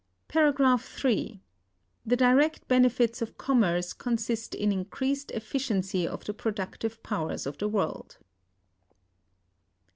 The direct benefits of commerce consist in increased Efficiency of the productive powers of the World.